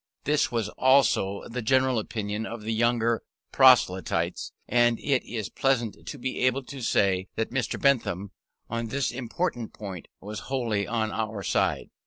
This was also the general opinion of the younger proselytes; and it is pleasant to be able to say that Mr. Bentham, on this important point, was wholly on our side.